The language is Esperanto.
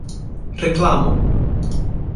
reklamo